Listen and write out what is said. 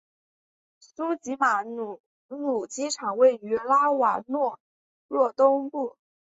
苏吉马努鲁机场位于拉瓦若东部。